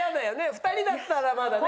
２人だったらまだね。